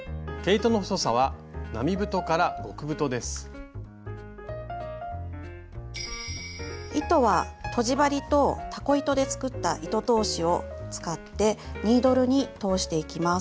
糸はとじ針とたこ糸で作った糸通しを使ってニードルに通していきます。